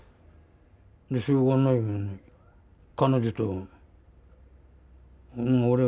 しょうがない彼女と俺。